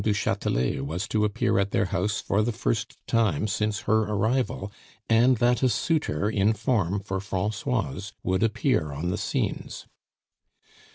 du Chatelet was to appear at their house for the first time since her arrival, and that a suitor in form for Francoise would appear on the scenes.